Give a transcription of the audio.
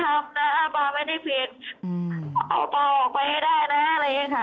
เอาป่าออกไปให้ได้นะอะไรอย่างนี้ค่ะเอาป่าออกไปให้ได้นะอะไรอย่างนี้ค่ะ